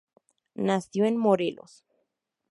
Nació en Morelos.